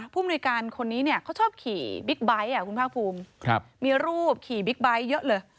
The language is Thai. ผู้บริการคนนี้เขาชอบขี่บิ๊กไบค์มีรูปขี่บิ๊กไบค์เยอะเลย